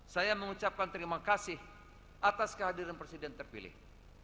saya mengucapkan terima kasih atas kehadiran presiden terpilih